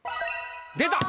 出た。